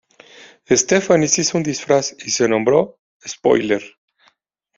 Stephanie se hizo un disfraz, y se nombró Spoiler.